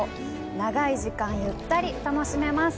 長い時間、ゆったり楽しめます。